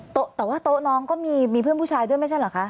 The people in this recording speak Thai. โต๊ะแต่ว่าโต๊ะน้องก็มีเพื่อนผู้ชายด้วยไม่ใช่เหรอคะ